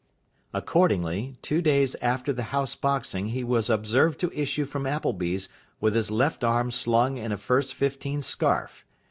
Accordingly, two days after the House Boxing he was observed to issue from Appleby's with his left arm slung in a first fifteen scarf.